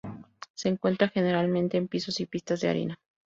Se encuentra generalmente en pisos y pistas de arena.